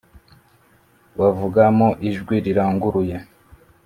Bavuga mu ijwi riranguruye